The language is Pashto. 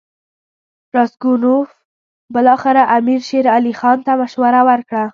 راسګونوف بالاخره امیر شېر علي خان ته مشوره ورکړه.